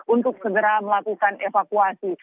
untuk segera melakukan evakuasi